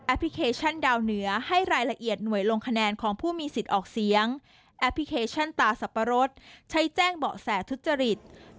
พลิเคชันดาวเหนือให้รายละเอียดหน่วยลงคะแนนของผู้มีสิทธิ์ออกเสียงแอปพลิเคชันตาสับปะรดใช้แจ้งเบาะแสทุจริต